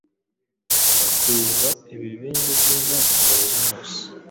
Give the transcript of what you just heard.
bakwiza ibibindi by'inzoga mu nzu yose,